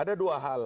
ada dua hal